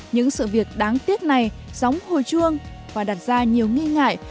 những sự việc đáng tiếc này gióng hồi chuông và đặt ra nhiều nghi ngại